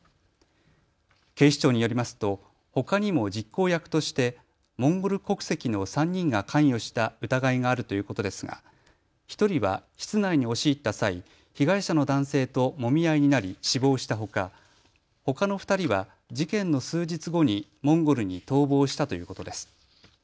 警視庁によりますとほかにも実行役としてモンゴル国籍の３人が関与した疑いがあるということですが１人は室内に押し入った際、被害者の男性ともみ合いになり死亡したほかほかの２人は事件の数日後にモンゴルに逃亡したということです。